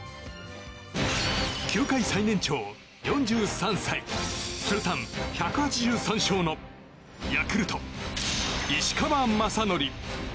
球界最年長４３歳通算１８３勝のヤクルト、石川雅規。